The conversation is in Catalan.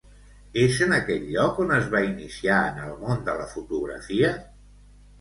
És en aquell lloc on es va iniciar en el món de la fotografia?